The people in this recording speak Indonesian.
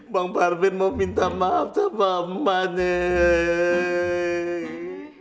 bang parmin mau minta maaf sama emak neng